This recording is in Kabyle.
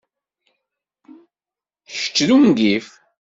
Kečč d ungif!